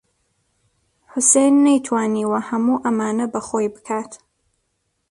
حوسێن نەیتوانیوە هەموو ئەمانە بە خۆی بکات.